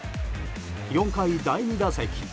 ４回、第２打席。